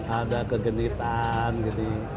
ada kegenitan gitu